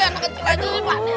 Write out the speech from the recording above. adah apa tadi